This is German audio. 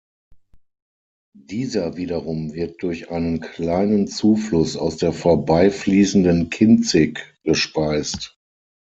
Dieser wiederum wird durch einen kleinen Zufluss aus der vorbeifließenden Kinzig gespeist.